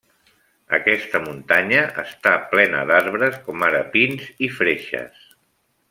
Aquesta muntanya està plena d'arbres, com ara pins i freixes.